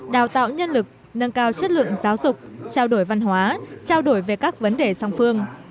đào tạo nhân lực nâng cao chất lượng giáo dục trao đổi văn hóa trao đổi về các vấn đề song phương